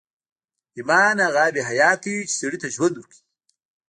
ايمان هغه آب حيات دی چې سړي ته ژوند ورکوي.